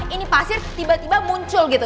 ini pasir tiba tiba muncul gitu